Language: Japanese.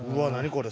これ。